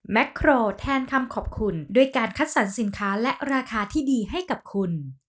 โครแทนคำขอบคุณด้วยการคัดสรรสินค้าและราคาที่ดีให้กับคุณ